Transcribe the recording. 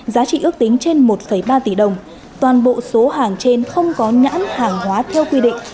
giá trị ước tính trên một ba tỷ đồng toàn bộ số hàng trên không có nhãn hàng hóa theo quy định